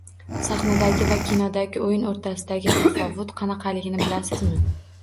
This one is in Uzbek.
Sahnadagi va kinodagi oʻyin oʻrtasidagi tafovut qanaqaligini bilasizmi?